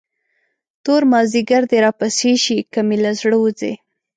تور مازدیګر دې راپسې شي، که مې له زړه وځې.